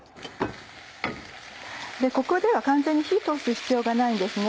ここでは完全に火通す必要がないんですね。